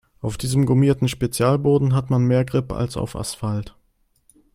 Auf diesem gummierten Spezialboden hat man mehr Grip als auf Asphalt.